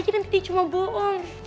nanti dia cuma bohong